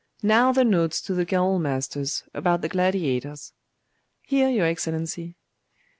Now the notes to the Gaol masters, about the gladiators.' 'Here, your Excellency.